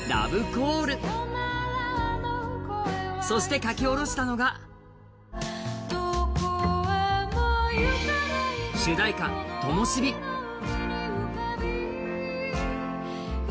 そして書き下ろしたのが主題歌「灯火」。